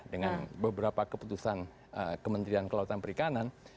dengan beberapa keputusan kementerian kelautan perikanan